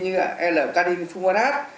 như là l cardin phumonat